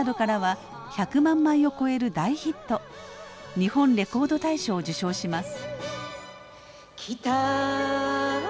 日本レコード大賞を受賞します。